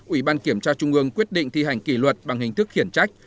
ủy ban kiểm tra trung ương quyết định thi hành kỷ luật bằng hình thức khiển trách